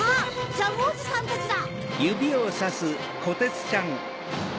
ジャムおじさんたちだ！